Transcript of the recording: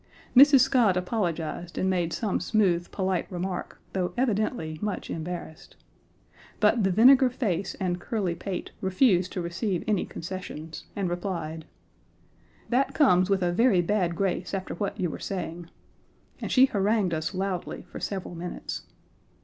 Mrs. Scott apologized and made some smooth, polite remark, though evidently much embarrassed. But the vinegar face and curly pate refused to receive any concessions, and replied: "That comes with a very bad grace after what you were saying," and she harangued us loudly for several minutes.